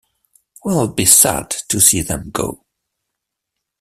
We'll be sad to see them go!